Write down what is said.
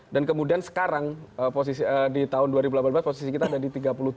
dan kemudian sekarang di tahun dua ribu delapan belas posisi kita jadi tiga puluh tujuh